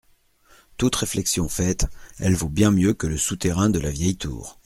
Toute réflexion faite, elle vaut bien mieux que le souterrain de la vieille tour…